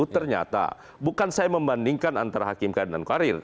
ternyata bukan saya membandingkan antara hakim karir dan karir